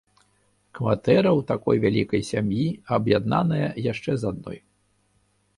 Кватэра ў такой вялікай сям'і аб'яднаная яшчэ з адной.